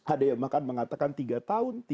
ada yang bahkan mengatakan tiga tahun